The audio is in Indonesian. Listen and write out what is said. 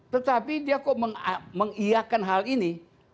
tetapi dia kok mengiakan hal ini